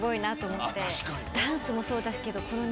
ダンスもそうですけど。